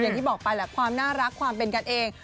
อย่างที่บอกไปแหละความน่ารักความเป็นกันเอง